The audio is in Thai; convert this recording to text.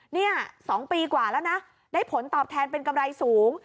ถ้าเข้าออกไป๒ปีกว่าแล้วนะได้ผลตอบแทนเป็นกำไรสูง